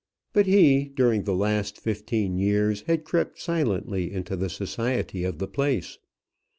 But he, during the last fifteen years, had crept silently into the society of the place.